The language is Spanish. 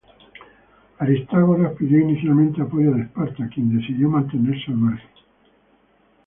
Aristágoras pidió inicialmente apoyo de Esparta quien decidió mantenerse al margen.